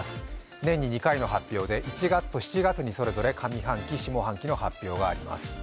年に２回の発表で１月と７月に上半期下半期の発表がそれぞれあります。